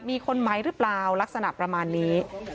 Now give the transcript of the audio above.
มีคนไหมหรือเปล่าลักษณะประมาณนี้